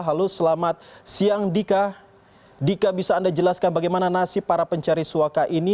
halo selamat siang dika dika bisa anda jelaskan bagaimana nasib para pencari suaka ini